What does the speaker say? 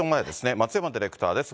松山ディレクターです。